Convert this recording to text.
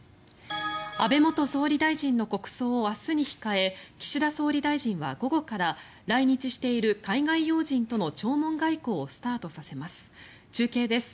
安倍元総理大臣の国葬を明日に控え岸田総理大臣は、午後から来日している海外要人との弔問外交をスタートさせます。